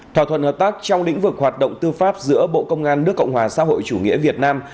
thỏa thuận hợp tác trong lĩnh vực hoạt động tư pháp giữa bộ công an nước cộng hòa xã hội chủ nghĩa việt nam